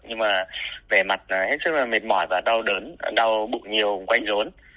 nhưng mà về mặt hết sức mệt mỏi và đau đớn đau bụng nhiều quay rốn